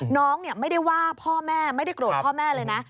น้องไม่ได้ว่าพ่อแม่ไม่ได้โกรธพ่อแม่เลยนะ